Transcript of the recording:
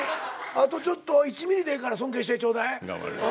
あとちょっと１ｍｍでええから尊敬してちょうだい。